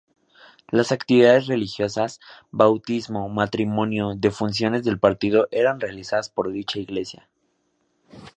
Las actividades religiosas, bautismo, matrimonio, de funciones del Partido eran realizadas por dicha iglesia.